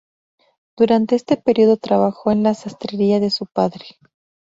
Durante este periodo trabajó en la sastrería de su padre.